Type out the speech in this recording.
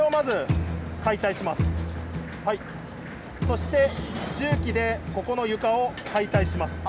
そして重機でここの床を解体します。